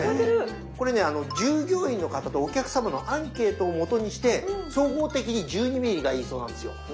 これね従業員の方とお客様のアンケートをもとにして総合的に１２ｍｍがいいそうなんですよ。